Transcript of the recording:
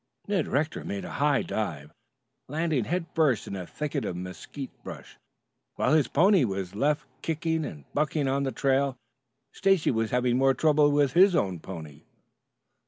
Ned Rector made a high dive, landing head first in a thicket of mesquite brush, while his pony was left kicking and bucking on the trail. Stacy was having more trouble with his own pony.